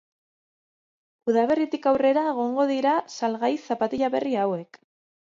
Udaberritik aurrera egongo dira salgai zapatila berri hauek.